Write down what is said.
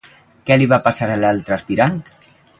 Què li va passar a l'altra aspirant?